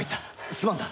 すまんな。